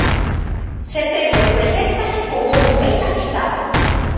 Setembro preséntase como un mes axitado.